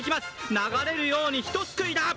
流れるようにひとすくいだ！